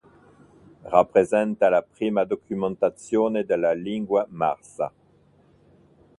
Rappresenta la prima documentazione della lingua marsa.